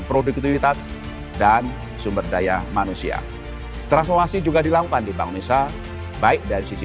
produktivitas dan sumber daya manusia transformasi juga dilakukan di bank indonesia baik dari sisi